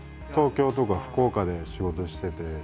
東京とか福岡で仕事してて。